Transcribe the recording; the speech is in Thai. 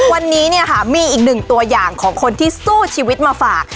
วันนี้เนี่ยค่ะมีอีกหนึ่งตัวอย่างของคนที่สู้ชีวิตมาฝาก